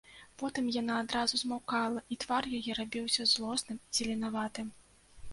Потым яна адразу змаўкала, і твар яе рабіўся злосным, зеленаватым.